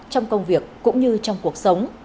trong công việc cũng như trong cuộc sống